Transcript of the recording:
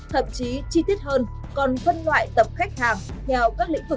thậm chí chi tiết hơn còn phân loại tập khách hàng theo các lĩnh vực cụ thể